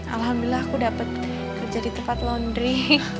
alhamdulillah aku dapat kerja di tempat laundry